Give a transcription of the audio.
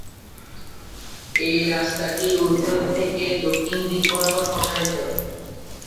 এই রাস্তাটি উত্তর থেকে দক্ষিণ দিক বরাবর প্রসারিত।